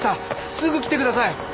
すぐ来てください！